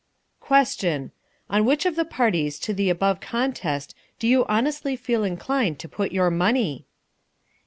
'" Question. On which of the parties to the above contest do you honestly feel inclined to put your money?